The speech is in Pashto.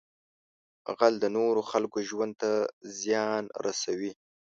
غل د نورو خلکو ژوند ته زیان رسوي